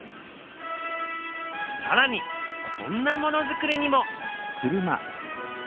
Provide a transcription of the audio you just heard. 更にこんなものづくりにも！